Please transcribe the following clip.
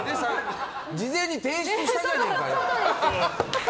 事前に提出したじゃねえかよ！